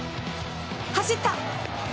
走った！